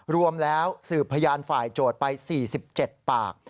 รวมแล้วสืบพยานฝ่ายโจทย์ไป๔๗ปาก